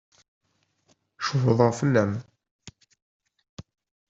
Cewḍeɣ fell-am.